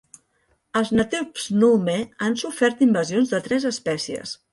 Els natius Pnume han sofert invasions de tres espècies.